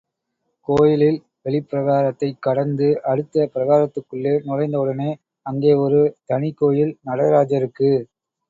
கோயிலில் வெளிப்பிராகாரத்தைக் கடந்து அடுத்த பிராகாரத்துள்ளே நுழைந்த உடனே அங்கே ஒரு தனிக் கோயில் நடராஜருக்கு.